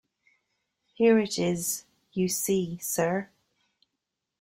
Here it is, you see, sir!